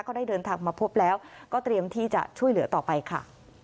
ได้เดินทางมาพบแล้วก็เตรียมที่จะช่วยเหลือต่อไปค่ะ